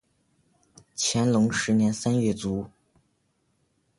乾隆十年三月卒。